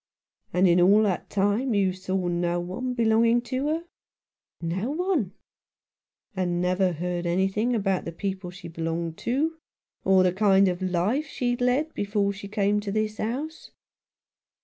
" And in all that time you saw no one belonging to her ?"" No one." "And never heard anything about the people she belonged to, or the kind of life she'd led before she came to this house